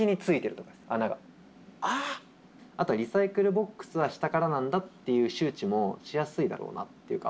リサイクルボックスは下からなんだっていう周知もしやすいだろうなっていう。